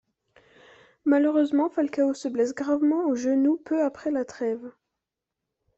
Malheureusement, Falcao se blesse gravement au genou peu après la trêve.